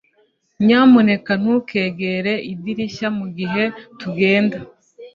Nyamuneka ntukegere mu idirishya mugihe tugenda